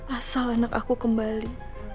asal anak aku kembali